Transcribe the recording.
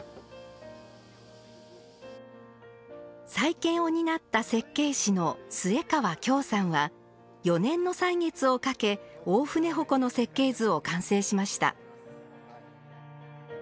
再建を担った設計士の末川協さんは４年の歳月をかけ大船鉾の設計図を完成しました。